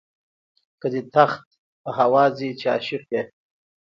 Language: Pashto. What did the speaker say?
که دي تخت په هوا ځي چې عاشق یې.